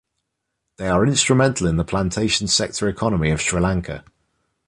They are instrumental in the plantation sector economy of Sri Lanka.